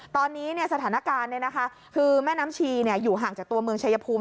ตอนนี้สถานการณ์คือแม่น้ำชีอยู่ห่างจากตัวเมืองชายภูมิ